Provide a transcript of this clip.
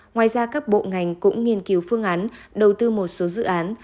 ngoài ra các bộ ngành cũng nghiên cứu phương án đầu tư một số dự án